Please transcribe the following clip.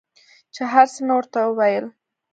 چې هر څه مې ورته وويل.